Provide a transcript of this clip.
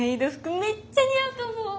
めっちゃ似合うと思う！